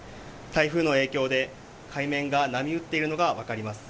台風の影響で海面が波打っているのが分かります。